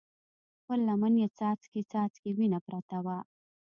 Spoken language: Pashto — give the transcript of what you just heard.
پر لمن يې څاڅکي څاڅکې وينه پرته وه.